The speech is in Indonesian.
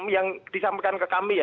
yang disampaikan ke kami ya